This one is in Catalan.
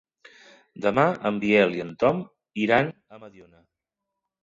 Demà en Biel i en Tom iran a Mediona.